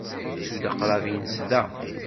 Yettu-d aqrab-nnes da.